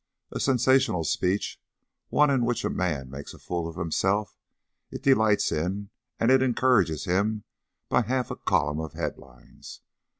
A sensational speech, one in which a man makes a fool of himself, it delights in, and it encourages him by half a column of head lines.